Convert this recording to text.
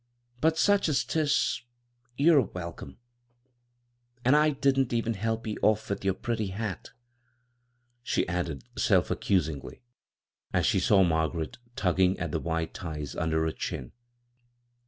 But such as 'tis, you're a welcome. ... An' I didn't even help ye ofi with yer pretty hat I " she added self accusingly, as she saw Margaret tugging at the wide ties under her chin.